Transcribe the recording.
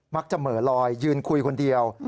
มักจะเหมือลอยยืนคุยคนเดียว